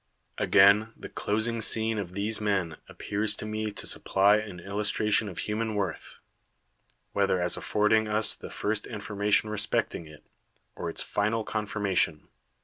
Again, the closing scene of these men appears to me to supply an illustration of human worth, whether as affording us the first information re specting it, or its final confirmation.